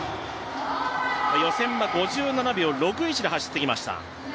予選は５７秒６１で走ってきました。